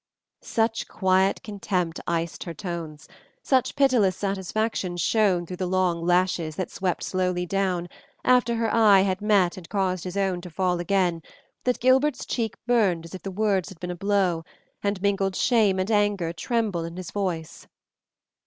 Such quiet contempt iced her tones, such pitiless satisfaction shone through the long lashes that swept slowly down, after her eye had met and caused his own to fall again, that Gilbert's cheek burned as if the words had been a blow, and mingled shame and anger trembled in his voice.